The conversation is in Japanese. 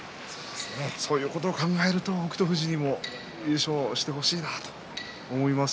そういうことを考えると北勝富士も優勝してほしいなと思います。